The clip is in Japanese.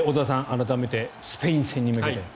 改めてスペイン戦に向けて。